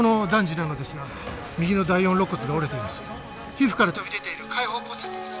皮膚から飛び出ている開放骨折です。